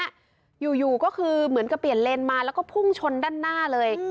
อยู่ก็คือเหมือนกับเปลี่ยนเลนมาแล้วก็พุ่งชนด้านหน้าเลย